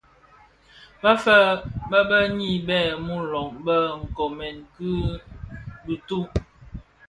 Fëfë, bëbëni bè muloň bë koomèn ki bituu.